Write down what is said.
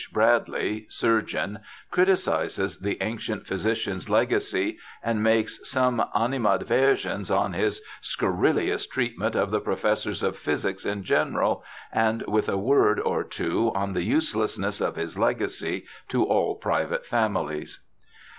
Bradley, Surgeon, criticizes The Ancient Physician's Legacy, and makes some ' animadversions on his scurrillous Treatment of the Professors of Physic in general; with a word or two on the uselessness of his Legacy to all Private Families'.